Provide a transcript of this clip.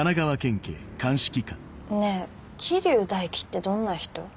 ねぇ桐生大輝ってどんな人？